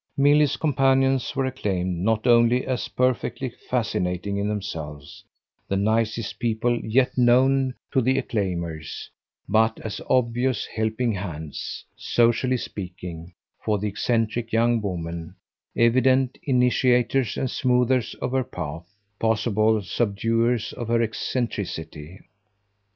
Milly's companions were acclaimed not only as perfectly fascinating in themselves, the nicest people yet known to the acclaimers, but as obvious helping hands, socially speaking, for the eccentric young woman, evident initiators and smoothers of her path, possible subduers of her eccentricity.